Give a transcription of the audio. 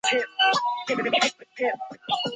圣阿沃古尔代朗代人口变化图示